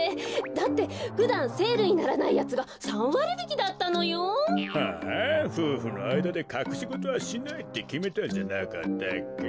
だってふだんセールにならないやつが３わりびきだったのよ。はあふうふのあいだでかくしごとはしないってきめたんじゃなかったっけ？